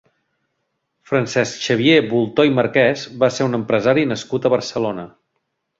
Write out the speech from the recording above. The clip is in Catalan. Francesc Xavier Bultó i Marquès va ser un empresari nascut a Barcelona.